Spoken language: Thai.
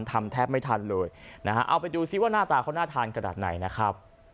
ทำแทบไม่ทันเลยนะฮะเอาไปดูซิว่าหน้าตาเขาน่าทานขนาดไหนนะครับ